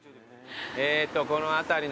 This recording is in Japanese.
えっとこの辺りのね。